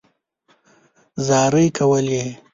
زارۍ کولې.